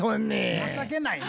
情けないな。